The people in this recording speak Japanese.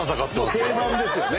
もう定番ですよね。